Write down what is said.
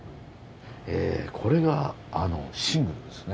これがシングルですね。